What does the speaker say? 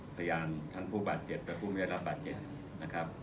พยานทั้งผู้บาด๗และผู้ไม่ได้รับบาด๗